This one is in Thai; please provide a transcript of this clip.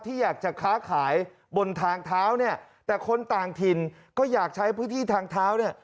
อยากจะค้าขายบนทางเท้าเนี่ยแต่คนต่างถิ่นก็อยากใช้พื้นที่ทางเท้าเนี่ย